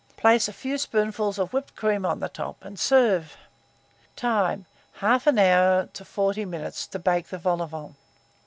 Place a few spoonfuls of whipped cream on the top, and serve. Time. 1/2 hour to 40 minutes to bake the vol au vent.